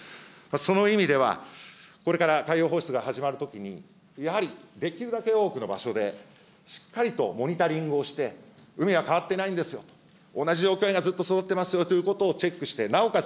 その意味では、これから海洋放出が始まるときに、やはりできるだけ多くの場所で、しっかりとモニタリングをして、海は変わっていないんですよと、同じ条件で育ってますよとチェックして、なおかつ